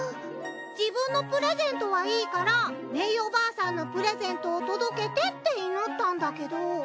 自分のプレゼントはいいからメイおばあさんのプレゼントを届けてって祈ったんだけど。